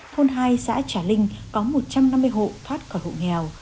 thôn hai xã trà linh có một trăm năm mươi hộ thoát khỏi hộ nghèo